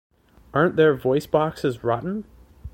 Aren't their voice boxes rotten?